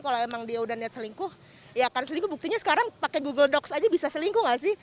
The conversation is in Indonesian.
kalau emang dia udah niat selingkuh ya kan selingkuh buktinya sekarang pakai google dox aja bisa selingkuh gak sih